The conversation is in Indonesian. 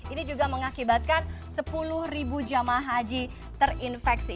ini juga mengakibatkan sepuluh jamaah haji terinfeksi